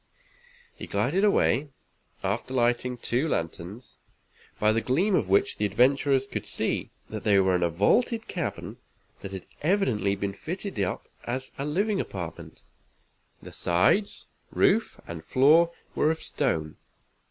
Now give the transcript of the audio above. He glided away, after lighting two lanterns, by the gleams of which the adventurers could see that they were in a vaulted cavern that had evidently been fitted up as a living apartment. The sides, roof and floor were of stone.